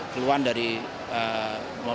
dari perusahaan dari perusahaan dari perusahaan